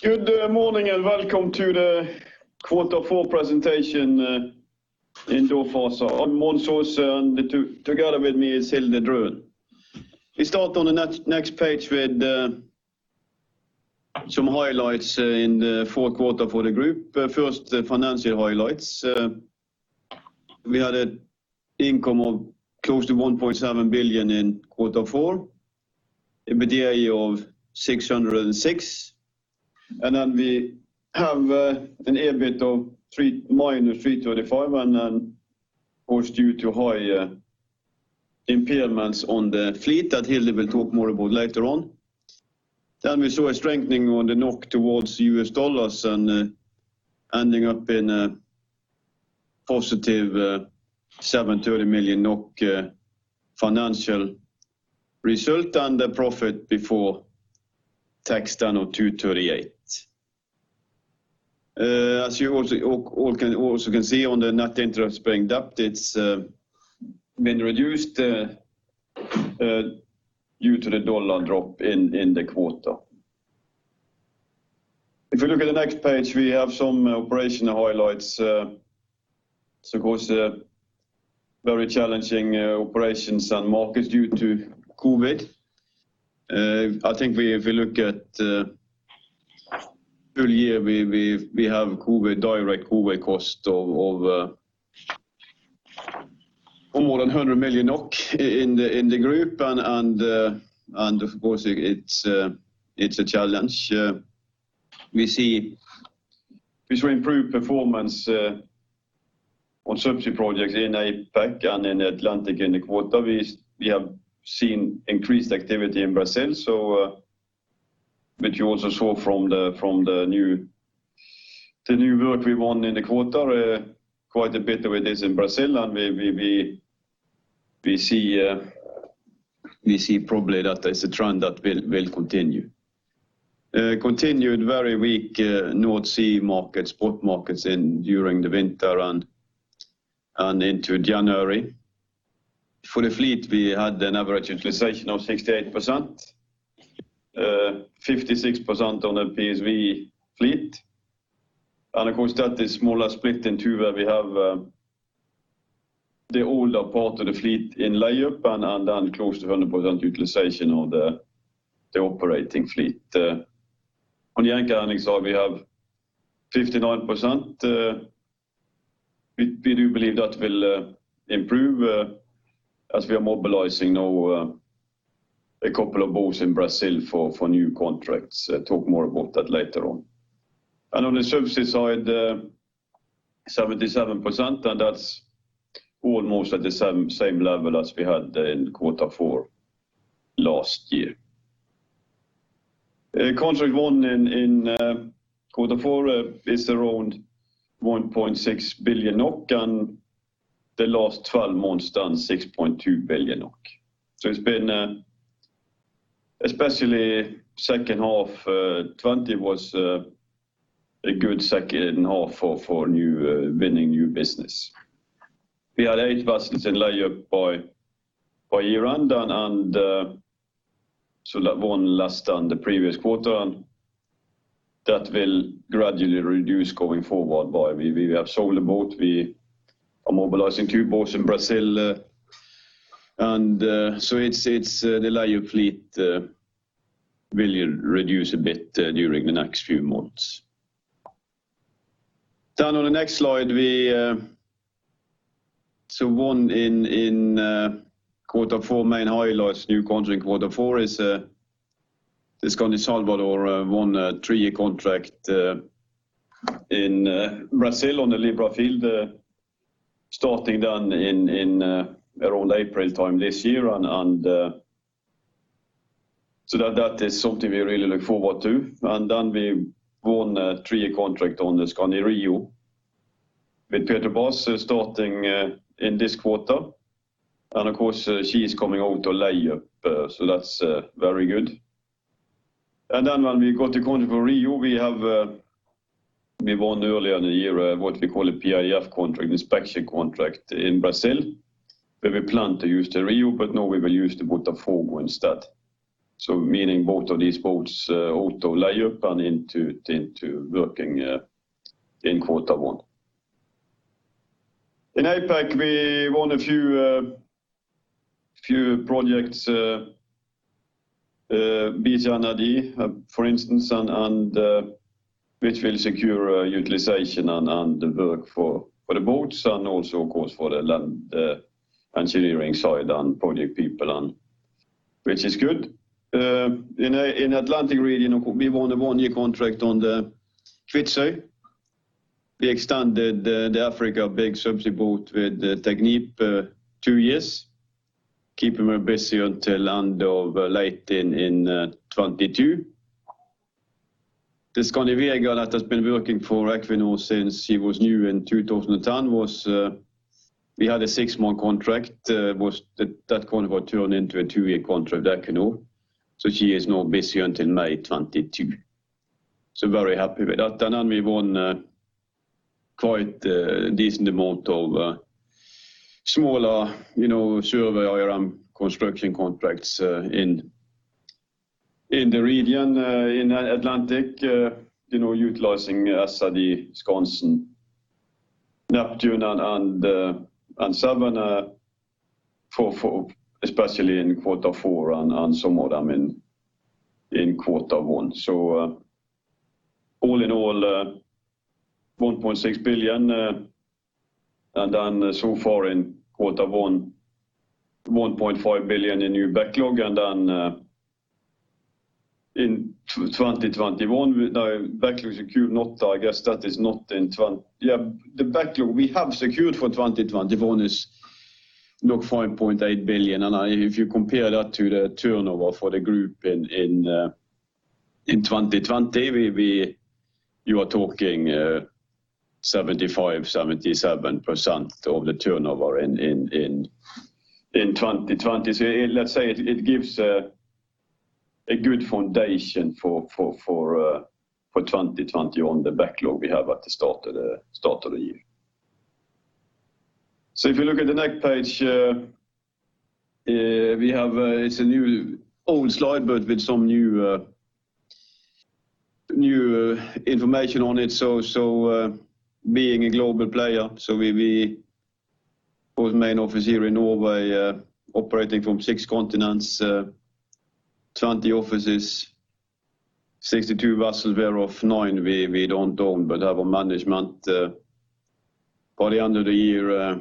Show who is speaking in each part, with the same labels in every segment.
Speaker 1: Good morning, and welcome to the Quarter Four presentation in DOF ASA. I'm Mons Aase, together with me is Hilde Drønen. We start on the next page with some highlights in the fourth quarter for the group. First, the financial highlights. We had an income of close to 1.7 billion in quarter four, EBITDA of 606. Then we have an EBIT of -335 and then of course due to high impairments on the fleet that Hilde will talk more about later on. Then we saw a strengthening on the NOK towards U.S. dollars and ending up in a positive NOK 730 million financial result and a profit before tax down of NOK 238. As you also can see on the net interest-bearing debt, it's been reduced due to the U.S. dollar drop in the quarter. If you look at the next page, we have some operational highlights. Of course, very challenging operations and markets due to COVID. I think if we look at full year, we have direct COVID cost of more than 100 million NOK in the group and of course, it's a challenge. We saw improved performance on subsea projects in APAC and in Atlantic in the quarter. We have seen increased activity in Brazil, which you also saw from the new work we won in the quarter, quite a bit with this in Brazil. We see probably that there's a trend that will continue. Continued very weak North Sea markets, spot markets during the winter and into January. For the fleet, we had an average utilization of 68%, 56% on the PSV fleet. That is more or less split in two, where we have the older part of the fleet in layup and then close to 100% utilization of the operating fleet. On the anchor handling side, we have 59%. We do believe that will improve as we are mobilizing now a couple of boats in Brazil for new contracts. Talk more about that later on. On the subsea side, 77%, and that's almost at the same level as we had in quarter four last year. Contract won in quarter four is around 1.6 billion NOK, and the last 12 months done 6.2 billion NOK. Especially second half 2020 was a good second half for winning new business. We had eight vessels in layup by year-end and so that one less than the previous quarter, and that will gradually reduce going forward. We have sold a boat. We are mobilizing two boats in Brazil. The layup fleet will reduce a bit during the next few months. On the next slide, won in quarter four, main highlights, new contract in quarter four is the Skandi Salvador won a 3-year contract in Brazil on the Libra field, starting in around April this year. That is something we really look forward to. We won a 3-year contract on the Skandi Rio with Petrobras starting in this quarter. Of course, she is coming out of layup, so that's very good. When we got the contract for Rio, we won earlier in the year what we call a PIDF contract, inspection contract in Brazil, where we planned to use the Rio, but now we will use the Skandi Botafogo instead. Meaning both of these boats out of layup and into working in quarter one. In APAC, we won a few projects, BT and AD, for instance, which will secure utilization and the work for the boats and also, of course, for the land engineering side and project people on, which is good. In Atlantic region, we won a one-year contract on the Skandi Swift. We extended the Skandi Africa with Technip two years, keep them busy until end of late in 2022. The Skandi Vega that has been working for Equinor since she was new in 2010, we had a six-month contract. That contract turned into a two-year contract with Equinor. She is now busy until May 2022. Very happy with that. We won a quite decent amount of smaller survey IRM construction contracts in the region in Atlantic utilizing Skandi Skansen, Skandi Neptune and Skandi Savannah, especially in Q4 and somewhat in Q1. All in all 1.6 billion. So far in Q1, 1.5 billion in new backlog. The backlog we have secured for 2021 is 5.8 billion, and if you compare that to the turnover for the group in 2020, you are talking 75%-77% of the turnover in 2020. Let's say it gives a good foundation for 2020 on the backlog we have at the start of the year. If you look at the next page, it's an old slide but with some new information on it. Being a global player, so we put main office here in Norway operating from 6 continents, 20 offices, 62 vessels thereof 9 we don't own but have on management. Early under the year,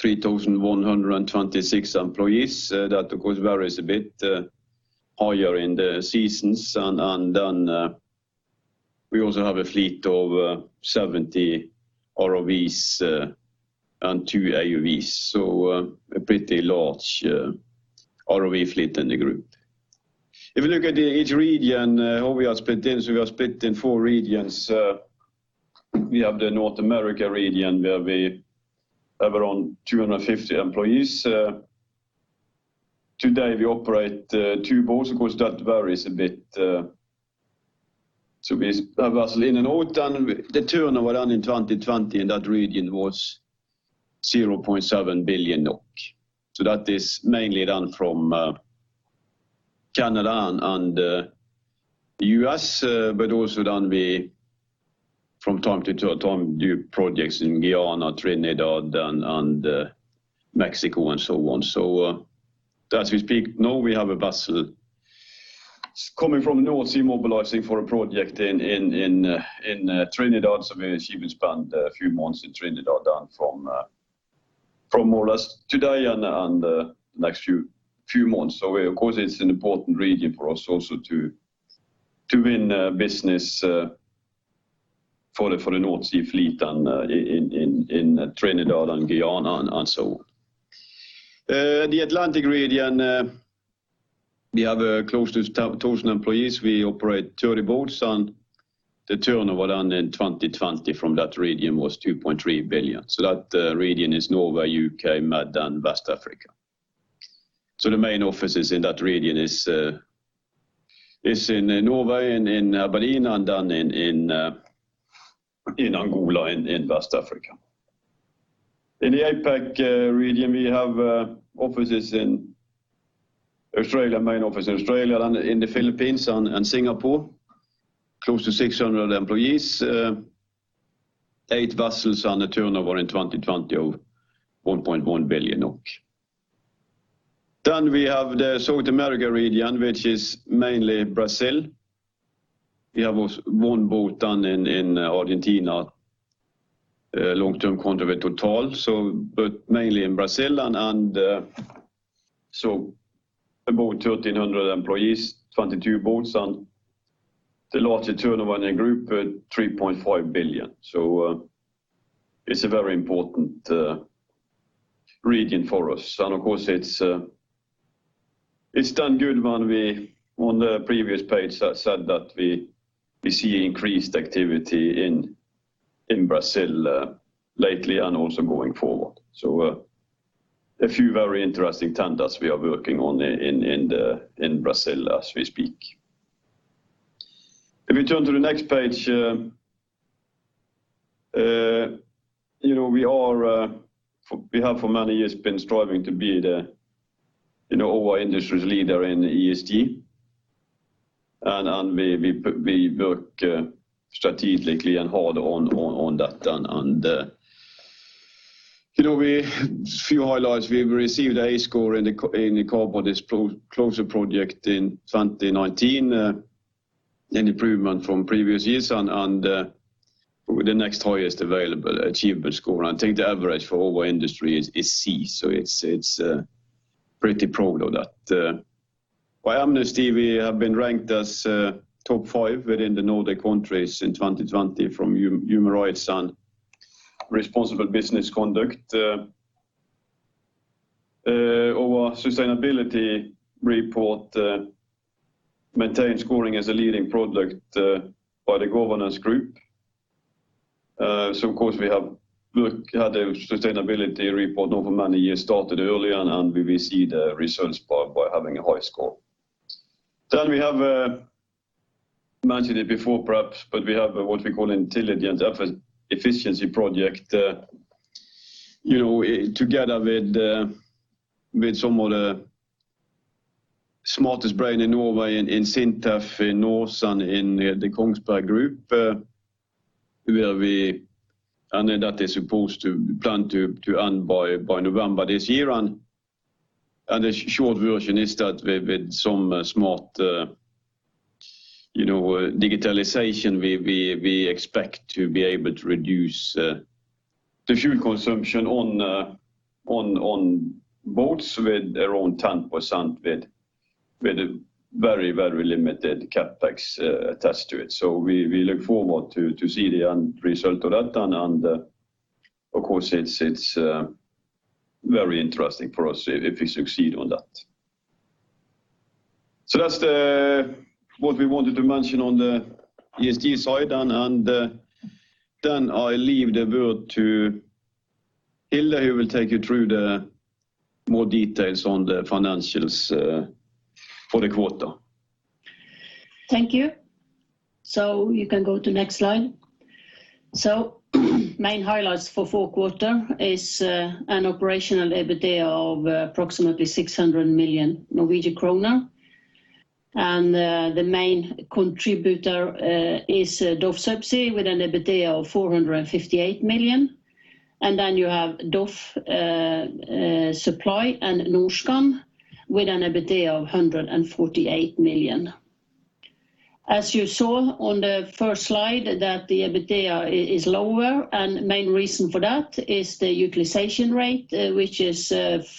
Speaker 1: 3,126 employees. That of course varies a bit higher in the seasons and then we also have a fleet of 70 ROVs and 2 AUVs. A pretty large ROV fleet in the Group. If you look at each region how we are split in. We are split in 4 regions. We have the North America region where we have around 250 employees. Today we operate 2 boats. Of course, that varies a bit. We have a vessel in the north and the turnover done in 2020 in that region was 0.7 billion NOK. That is mainly done from Canada and U.S. but also done from time to time do projects in Guyana, Trinidad and Mexico and so on. As we speak now we have a vessel coming from North Sea mobilizing for a project in Trinidad. We achieve it spend a few months in Trinidad from more or less today and the next few months. Of course it's an important region for us also to win business for the North Sea fleet and in Trinidad and Guyana and so on. The Atlantic region, we have close to 1,000 employees. We operate 30 boats and the turnover done in 2020 from that region was 2.3 billion. That region is Norway, U.K., Med and West Africa. The main offices in that region is in Norway, but in Angola, in West Africa. In the APAC region, we have offices in Australia, main office in Australia and in the Philippines and Singapore. Close to 600 employees, eight vessels and a turnover in 2020 of 1.1 billion. We have the South America region which is mainly Brazil. We have one boat done in Argentina, long-term contract with Total. Mainly in Brazil and about 1,300 employees, 22 boats and the largest turnover in the group at 3.5 billion. It's a very important region for us. Of course it's done good when on the previous page that said that we see increased activity in Brazil lately and also going forward. A few very interesting tenders we are working on in Brazil as we speak. If you turn to the next page, we have for many years been striving to be our industry's leader in ESG. We work strategically and hard on that. A few highlights. We received an A score in the Carbon Disclosure Project in 2019, an improvement from previous years and with the next highest available achievable score. I think the average for our industry is C, so it's pretty proud of that. By Amnesty, we have been ranked as top five within the Nordic countries in 2020 from human rights and responsible business conduct. Our sustainability report maintained scoring as a leading product by The Governance Group. Of course we have had a sustainability report now for many years, started early on, and we will see the results by having a high score. We have mentioned it before perhaps, but we have what we call intelligent energy efficiency project. Together with some of the smartest brain in Norway in SINTEF, NORCE in the Kongsberg Gruppen, that is supposed to plan to end by November this year. The short version is that with some smart digitalization, we expect to be able to reduce the fuel consumption on boats with around 10%, with very limited CapEx attached to it. We look forward to see the end result of that. Of course, it's very interesting for us if we succeed on that. That's what we wanted to mention on the ESG side. I leave the word to Hilde, who will take you through the more details on the financials for the quarter.
Speaker 2: Thank you. You can go to next slide. Main highlights for fourth quarter is an operational EBITDA of approximately NOK 600 million. The main contributor is DOF Subsea with an EBITDA of 458 million. Then you have DOF Supply and Norskan with an EBITDA of 148 million. As you saw on the first slide that the EBITDA is lower and main reason for that is the utilization rate, which is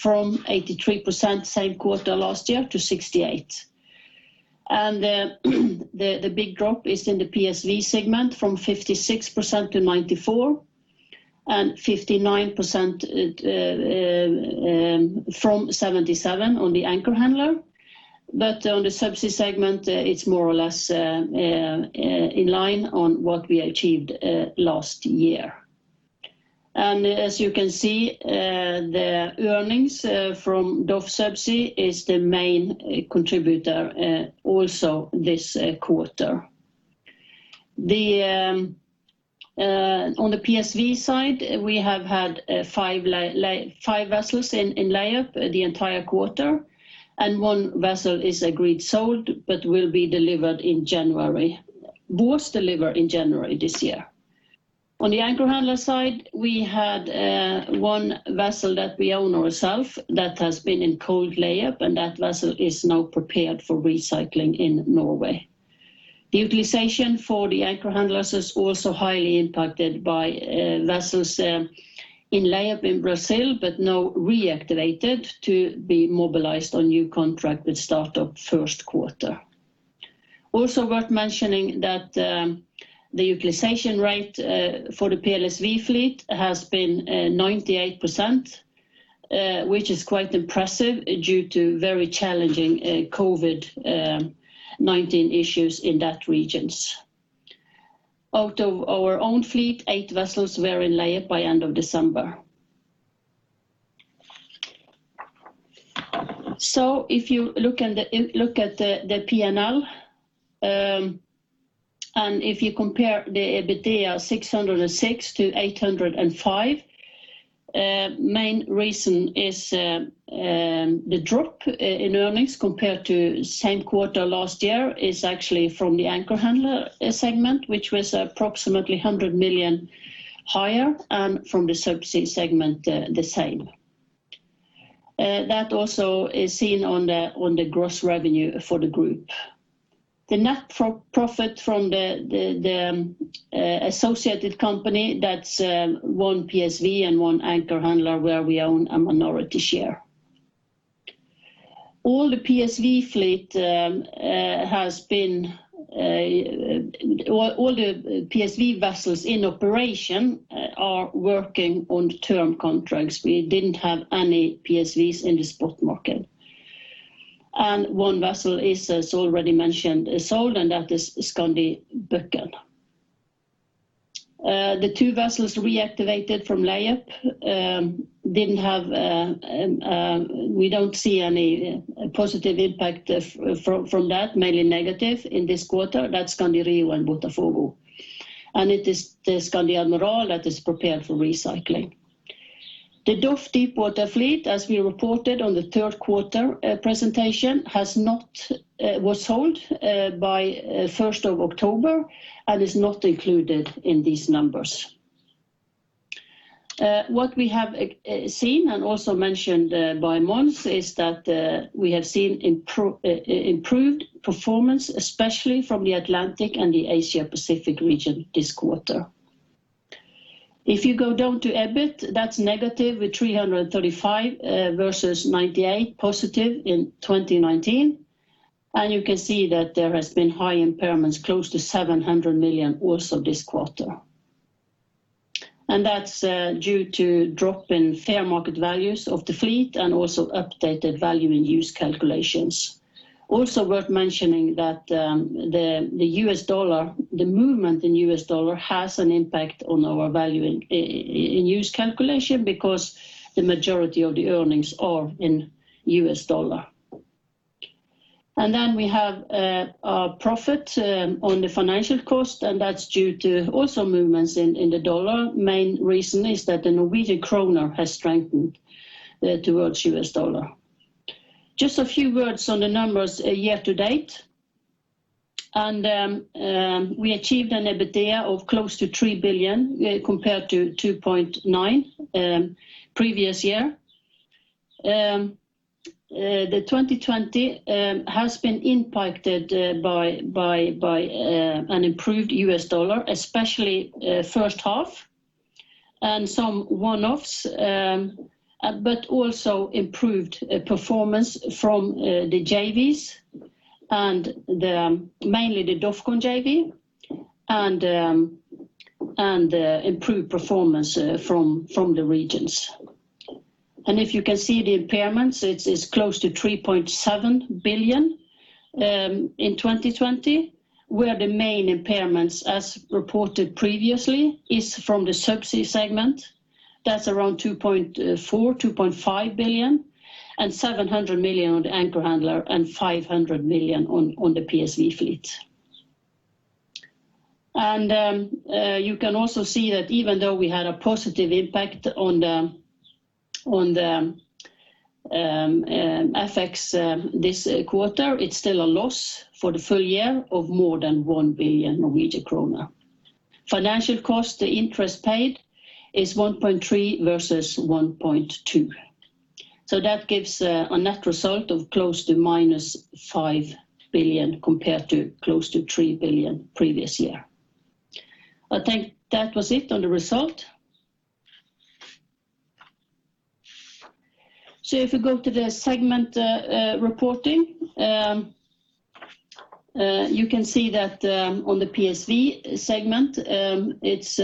Speaker 2: from 83% same quarter last year to 68%. The big drop is in the PSV segment from 56% to 94% and 59% from 77% on the anchor handler. On the Subsea segment, it's more or less in line on what we achieved last year. As you can see, the earnings from DOF Subsea is the main contributor also this quarter. On the PSV side, we have had five vessels in layup the entire quarter, and one vessel is agreed sold but will be delivered in January, was delivered in January this year. On the anchor handler side, we had one vessel that we own ourself that has been in cold layup, and that vessel is now prepared for recycling in Norway. Also highly impacted by vessels in layup in Brazil, but now reactivated to be mobilized on new contract with startup first quarter. Also worth mentioning that the utilization rate for the PLSV fleet has been 98%, which is quite impressive due to very challenging COVID-19 issues in that regions. Out of our own fleet, eight vessels were in layup by end of December. If you look at the P&L, and if you compare the EBITDA 606 to 805, main reason is the drop in earnings compared to same quarter last year is actually from the anchor handler segment, which was approximately 100 million higher, and from the Subsea segment, the same. That also is seen on the gross revenue for the Group. The net profit from the associated company, that's one PSV and one anchor handler where we own a minority share. All the PSV vessels in operation are working on term contracts. We didn't have any PSVs in the spot market. One vessel is, as already mentioned, sold, and that is Skandi Buchan. The two vessels reactivated from layup, we don't see any positive impact from that, mainly negative in this quarter. That's Skandi Rio and Skandi Botafogo. It is the Skandi Admiral that is prepared for recycling. The DOF deepwater fleet, as we reported on the third quarter presentation, was sold by 1st of October and is not included in these numbers. What we have seen and also mentioned by Mons is that we have seen improved performance, especially from the Atlantic and the Asia Pacific region this quarter. If you go down to EBIT, that's negative with 335 versus 98 positive in 2019. You can see that there has been high impairments, close to 700 million also this quarter. That's due to drop in fair market values of the fleet and also updated value in use calculations. Also worth mentioning that the movement in US dollar has an impact on our value in use calculation because the majority of the earnings are in US dollar. We have a profit on the financial cost, and that's due to also movements in the US dollar. Main reason is that the Norwegian kroner has strengthened towards US dollar. Just a few words on the numbers year to date. We achieved an EBITDA of close to 3 billion, compared to 2.9 billion previous year. 2020 has been impacted by an improved US dollar, especially first half, and some one-offs, but also improved performance from the JVs and mainly the DOF Group JV, improved performance from the regions. If you can see the impairments, it is close to 3.7 billion in 2020, where the main impairments, as reported previously, is from the subsea segment. That's around 2.4 billion-2.5 billion, 700 million on the anchor handler, 500 million on the PSV fleet. You can also see that even though we had a positive impact on the FX this quarter, it's still a loss for the full year of more than 1 billion Norwegian kroner. Financial cost, the interest paid is 1.3 versus 1.2. That gives a net result of close to minus 5 billion compared to close to 3 billion previous year. I think that was it on the result. If we go to the segment reporting, you can see that on the PSV segment, it's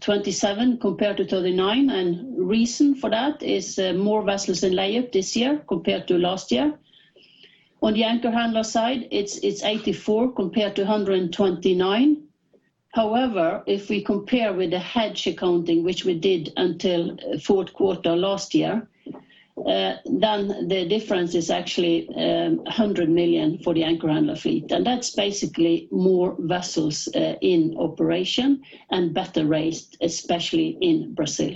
Speaker 2: 27 compared to 39, and reason for that is more vessels in layup this year compared to last year. On the anchor handler side, it's 84 compared to 129. If we compare with the hedge accounting, which we did until fourth quarter last year, the difference is actually 100 million for the anchor handler fleet, and that's basically more vessels in operation and better rates, especially in Brazil.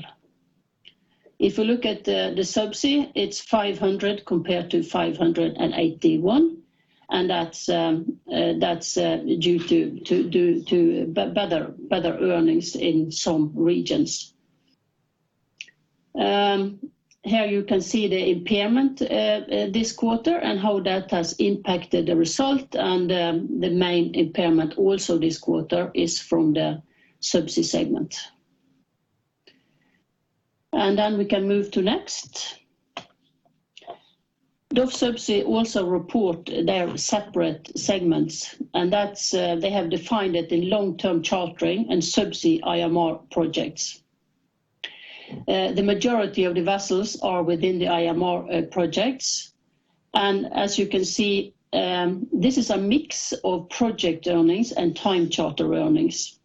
Speaker 2: If we look at the subsea, it's 500 compared to 581, that's due to better earnings in some regions. Here you can see the impairment this quarter and how that has impacted the result, the main impairment also this quarter is from the subsea segment. We can move to next. DOF Subsea also report their separate segments, they have defined it in long-term chartering and subsea IRM projects. The majority of the vessels are within the IRM projects. As you can see, this is a mix of project earnings and time charter earnings.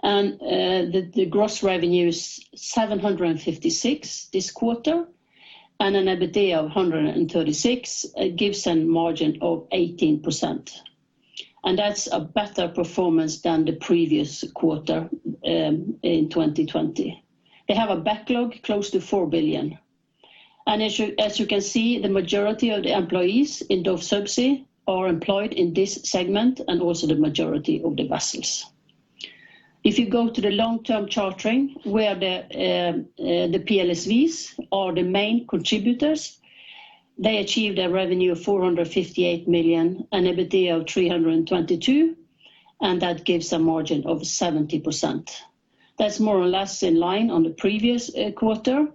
Speaker 2: The gross revenue is 756 this quarter and an EBITDA of 136. It gives a margin of 18%, and that's a better performance than the previous quarter in 2020. They have a backlog close to 4 billion. As you can see, the majority of the employees in DOF Subsea are employed in this segment, and also the majority of the vessels. If you go to the long-term chartering, where the PLSVs are the main contributors, they achieved a revenue of 458 million, an EBITDA of 322, and that gives a margin of 70%. That's more or less in line on the previous quarter.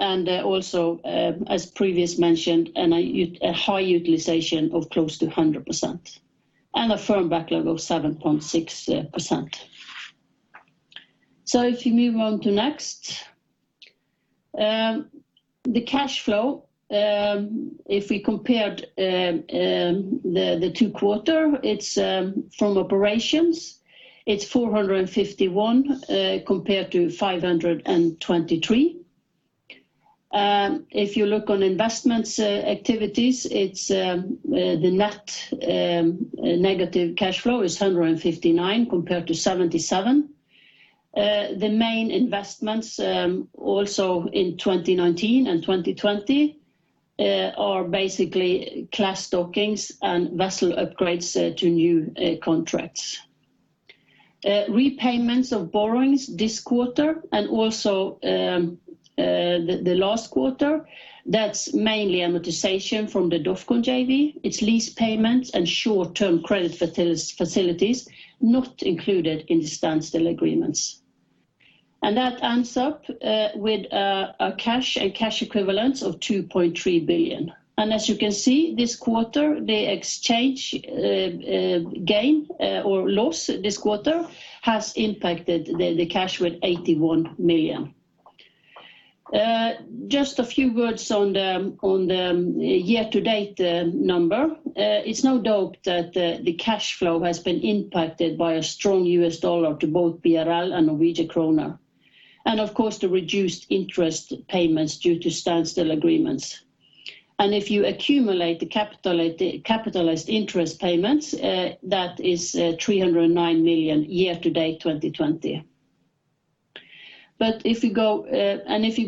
Speaker 2: Also, as previous mentioned, a high utilization of close to 100%, and a firm backlog of 7.6%. If you move on to next. The cash flow, if we compared the two quarter, it's from operations. It's 451, compared to 523. If you look on investments activities, the net negative cash flow is 159 compared to 77. The main investments also in 2019 and 2020 are basically class dockings and vessel upgrades to new contracts. Repayments of borrowings this quarter and also the last quarter, that's mainly amortization from the DOF Group JV. It's lease payments and short-term credit facilities not included in the standstill agreements. That ends up with a cash and cash equivalent of 2.3 billion. As you can see, this quarter, the exchange gain or loss this quarter has impacted the cash with 81 million. Just a few words on the year to date number. It's no doubt that the cash flow has been impacted by a strong US dollar to both BRL and Norwegian kroner. Of course, the reduced interest payments due to standstill agreements. If you accumulate the capitalized interest payments, that is 309 million year to date 2020. If you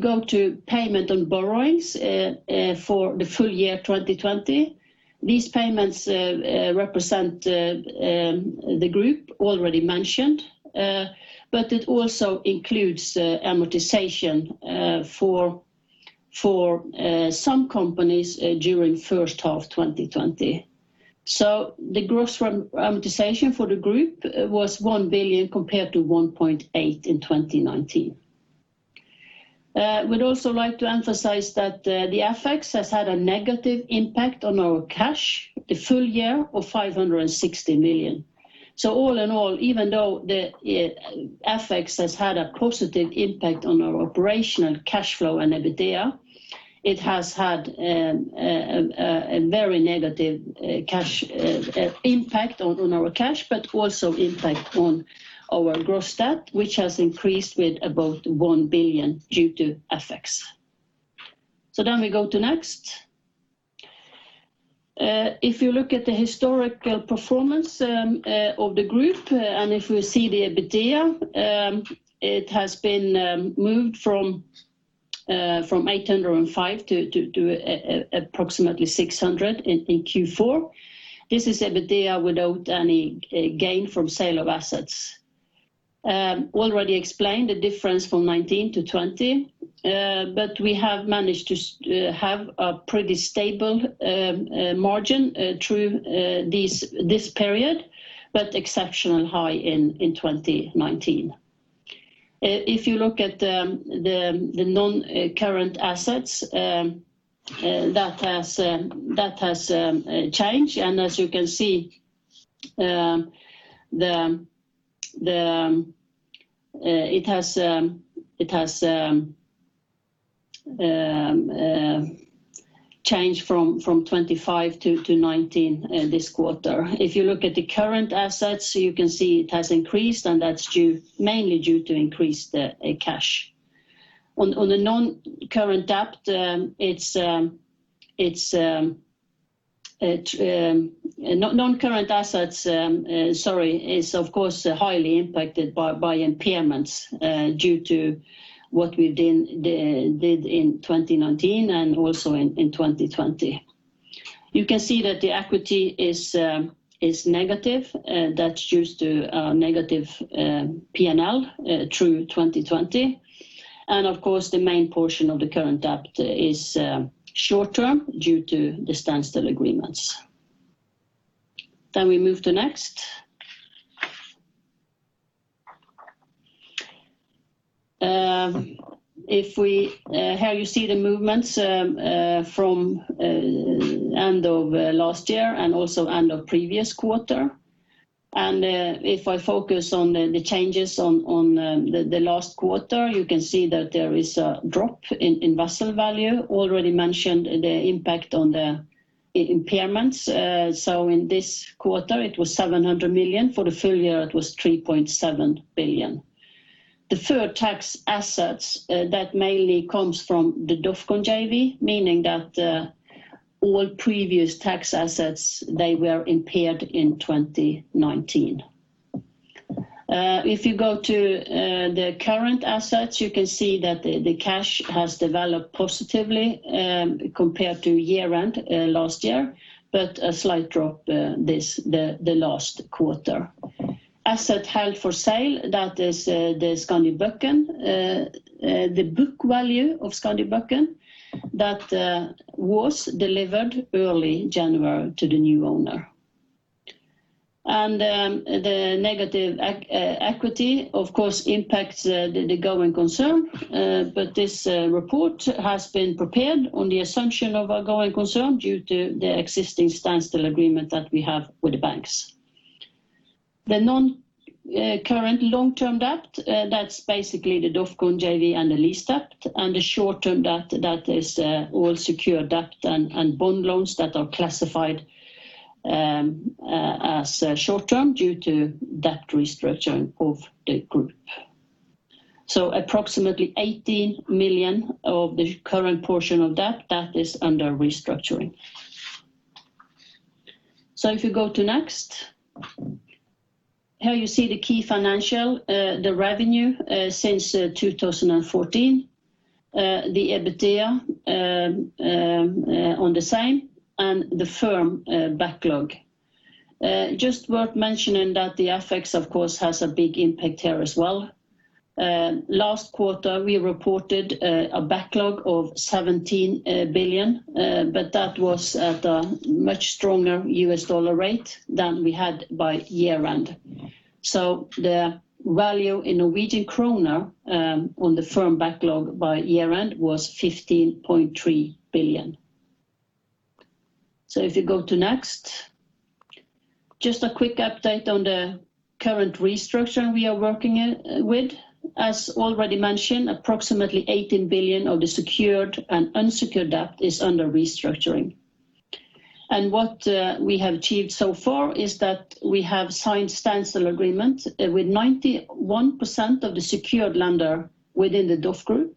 Speaker 2: go to payment on borrowings for the full year 2020, these payments represent the Group already mentioned, but it also includes amortization for some companies during first half 2020. The gross amortization for the Group was 1 billion compared to 1.8 billion in 2019. We'd also like to emphasize that the FX has had a negative impact on our cash, the full year of 560 million. All in all, even though the FX has had a positive impact on our operational cash flow and EBITDA, it has had a very negative impact on our cash, but also impact on our gross debt, which has increased with about 1 billion due to FX. We go to next. If you look at the historical performance of the group, if we see the EBITDA, it has been moved from 805 to approximately 600 in Q4. This is EBITDA without any gain from sale of assets. Already explained the difference from 2019 to 2020, we have managed to have a pretty stable margin through this period, but exceptional high in 2019. If you look at the non-current assets, that has changed, as you can see, it has changed from 25 to 19 this quarter. If you look at the current assets, you can see it has increased, that's mainly due to increased cash. On the non-current debt, Non-current assets, sorry, is of course highly impacted by impairments due to what we did in 2019 and also in 2020. You can see that the equity is negative. That's due to a negative P&L through 2020. Of course, the main portion of the current debt is short-term due to the standstill agreements. We move to next. Here you see the movements from end of last year and also end of previous quarter. If I focus on the changes on the last quarter, you can see that there is a drop in vessel value. Already mentioned the impact on the impairments. In this quarter it was 700 million. For the full year it was 3.7 billion. Deferred tax assets, that mainly comes from the DOFCON JV, meaning that all previous tax assets, they were impaired in 2019. If you go to the current assets, you can see that the cash has developed positively compared to year-end last year, but a slight drop the last quarter. Asset held for sale, that is the Skandi Buchan. The book value of Skandi Buchan that was delivered early January to the new owner. The negative equity of course impacts the going concern, but this report has been prepared on the assumption of a going concern due to the existing standstill agreement that we have with the banks. The non-current long-term debt, that's basically the DOFCON JV and the lease debt, and the short-term debt, that is all secured debt and bond loans that are classified as short-term due to debt restructuring of the group. Approximately 18 million of the current portion of debt, that is under restructuring. If you go to next. Here you see the key financial, the revenue since 2014, the EBITDA on the same, and the firm backlog. Just worth mentioning that the FX of course has a big impact here as well. Last quarter we reported a backlog of 17 billion, that was at a much stronger US dollar rate than we had by year-end. The value in NOK on the firm backlog by year-end was 15.3 billion. If you go to next. Just a quick update on the current restructuring we are working with. As already mentioned, approximately 18 billion of the secured and unsecured debt is under restructuring. What we have achieved so far is that we have signed standstill agreement with 91% of the secured lender within the DOF Group.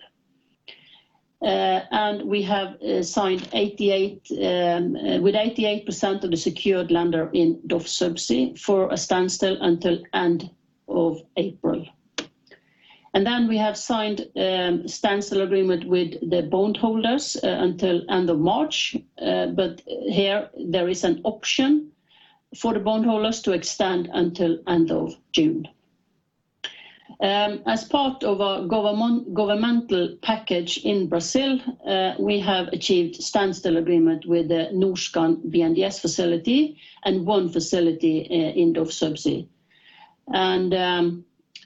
Speaker 2: We have signed with 88% of the secured lender in DOF Subsea for a standstill until end of April. We have signed standstill agreement with the bondholders until end of March. Here, there is an option for the bondholders to extend until end of June. As part of our governmental package in Brazil, we have achieved standstill agreement with the Norskan BNDES facility and one facility in DOF Subsea.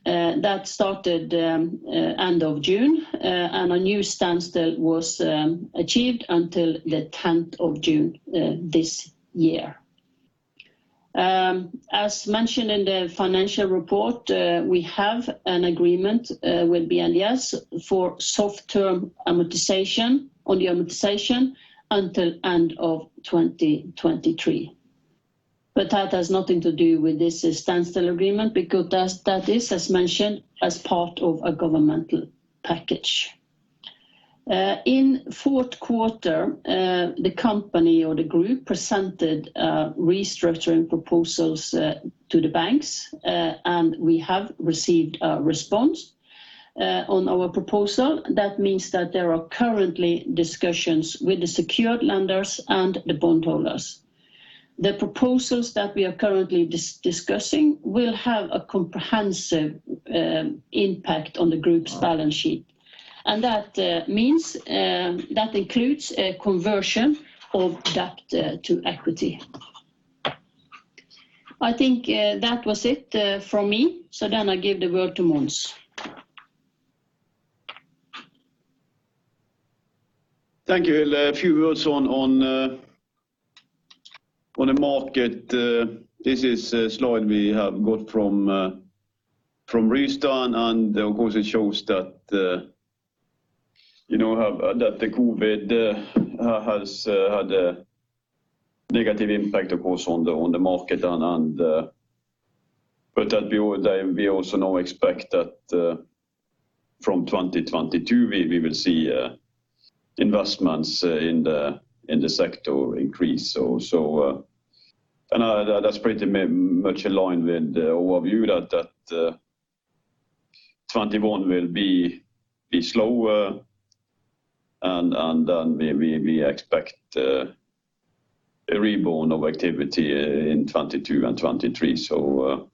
Speaker 2: That started end of June, and a new standstill was achieved until the 10th of June this year. As mentioned in the financial report, we have an agreement with BNDES for soft term amortization on the amortization until end of 2023. That has nothing to do with this standstill agreement because that is, as mentioned, as part of a governmental package. In fourth quarter, the company or the group presented restructuring proposals to the banks, and we have received a response on our proposal. That means that there are currently discussions with the secured lenders and the bondholders. The proposals that we are currently discussing will have a comprehensive impact on the group's balance sheet. That includes a conversion of debt to equity. I think that was it from me. I give the word to Mons.
Speaker 1: Thank you. A few words on the market. This is a slide we have got from Rystad. It shows that the COVID has had a negative impact on the market. We also now expect that from 2022, we will see investments in the sector increase. That's pretty much aligned with our view that 2021 will be slower and then we expect a reborn of activity in 2022 and 2023. The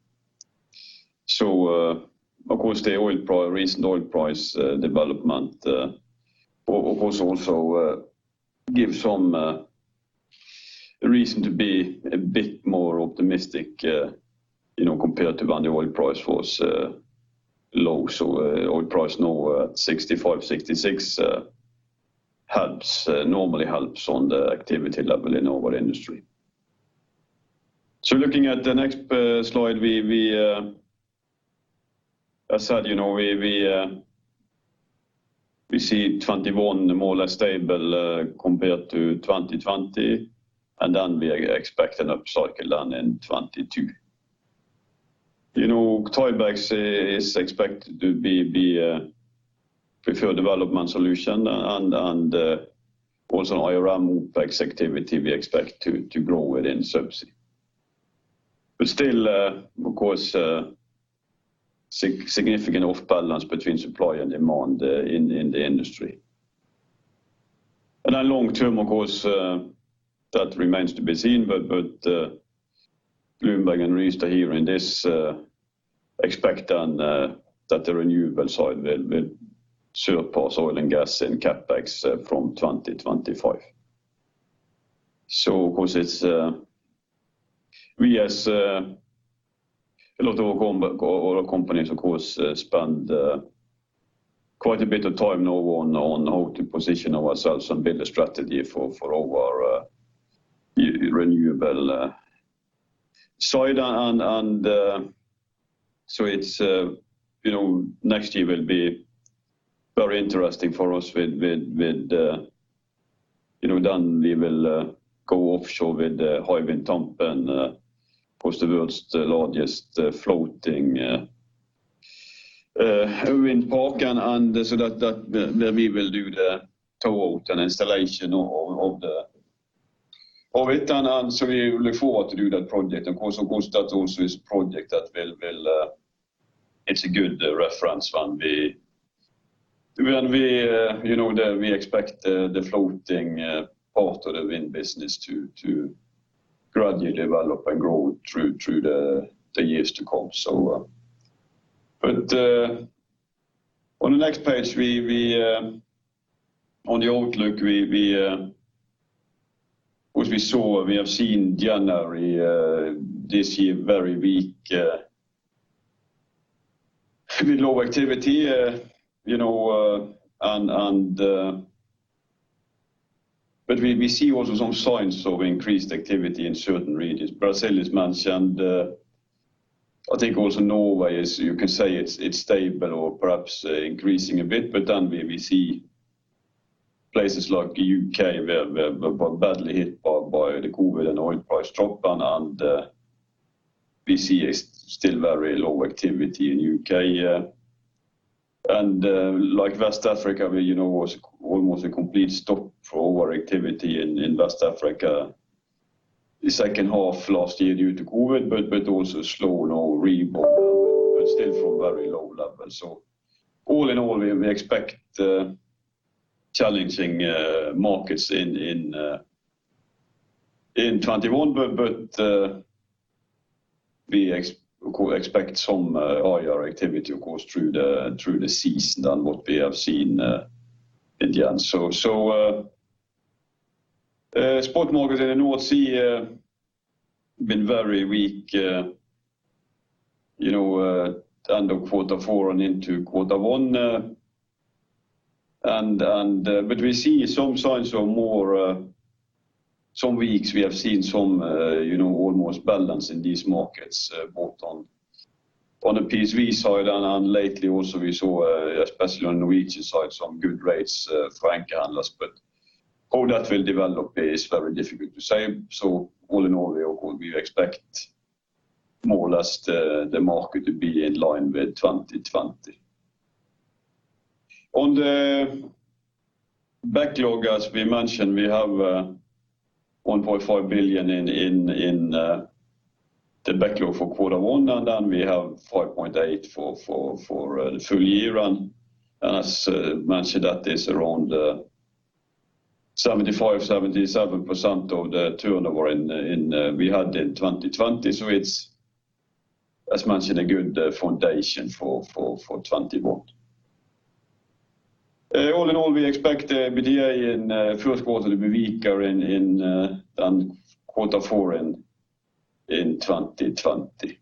Speaker 1: recent oil price development also gives some reason to be a bit more optimistic compared to when the oil price was low. Oil price now at 65, 66 normally helps on the activity level in our industry. Looking at the next slide, as said, we see 2021 more or less stable compared to 2020, and then we are expecting upcycle then in 2022. Tiebacks is expected to be preferred development solution and also IRM OpEx activity we expect to grow within Subsea. Still, of course, significant off balance between supply and demand in the industry. Long term, of course, that remains to be seen, but Bloomberg and Rystad here in this expect then that the renewable side will surpass oil and gas in CapEx from 2025. Of course, a lot of our companies, of course, spend quite a bit of time now on how to position ourselves and build a strategy for our renewable side. Next year will be very interesting for us with then we will go offshore with the Hywind Tampen, of course, the world's largest floating wind park. That we will do the tow out and installation of it. We look forward to do that project, of course, that also is project that it's a good reference when we expect the floating part of the wind business to gradually develop and grow through the years to come. On the next page, on the outlook, which we have seen January this year, very weak with low activity. We see also some signs of increased activity in certain regions. Brazil is mentioned. I think also Norway you can say it's stable or perhaps increasing a bit, we see places like U.K. where were badly hit by the COVID and oil price drop and we see a still very low activity in U.K. West Africa, was almost a complete stop for our activity in West Africa the second half last year due to COVID, slow now rebound but still from very low levels. All in all we expect challenging markets in 2021, but we expect some higher activity, of course, through the season than what we have seen at the end. Spot markets in North Sea have been very weak end of quarter four and into quarter one. We see some signs of some weeks we have seen some almost balance in these markets both on the PSV side and lately also we saw especially on Norwegian side some good rates for anchor handlers. How that will develop is very difficult to say. All in all we expect more or less the market to be in line with 2020. On the backlogs we mentioned we have 1.5 billion in the backlog for quarter one and then we have 5.8 for the full year. As mentioned that is around 75%, 77% of the turnover we had in 2020. It is as mentioned a good foundation for 2021. All in all, we expect the EBITDA in first quarter to be weaker than quarter four in 2020.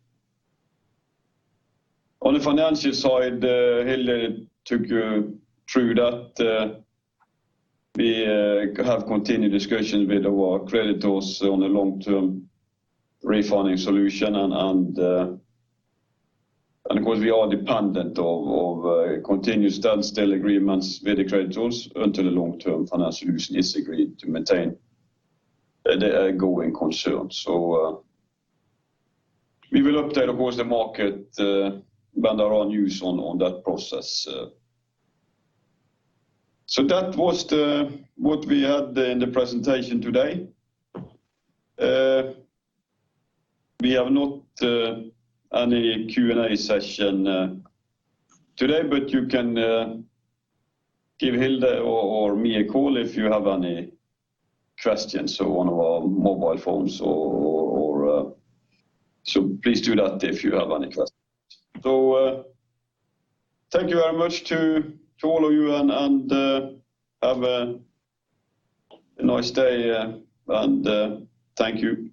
Speaker 1: On the financial side, Hilde took you through that. We have continued discussions with our creditors on the long-term refunding solution and of course we are dependent of continuous standstill agreements with the creditors until a long-term financial solution is agreed to maintain a going concern. We will update, of course, the market when there are news on that process. That was what we had in the presentation today. We have not any Q&A session today, but you can give Hilde or me a call if you have any questions on our mobile phones. Please do that if you have any questions. Thank you very much to all of you and have a nice day. Thank you.